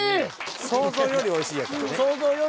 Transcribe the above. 「想像よりおいしい」やからね。